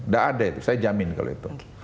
gak ada itu saya jamin kalau itu